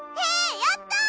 やった！